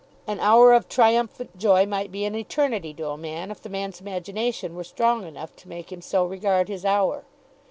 An hour of triumphant joy might be an eternity to a man, if the man's imagination were strong enough to make him so regard his hour.